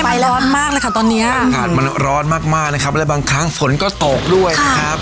ร้อนมากเลยค่ะตอนเนี้ยอากาศมันร้อนมากมากนะครับและบางครั้งฝนก็ตกด้วยนะครับ